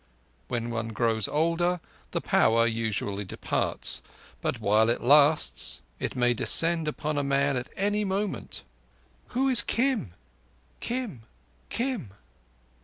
When one grows older, the power, usually, departs, but while it lasts it may descend upon a man at any moment. "Who is Kim—Kim—Kim?"